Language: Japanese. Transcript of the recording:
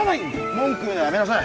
文句言うのやめなさい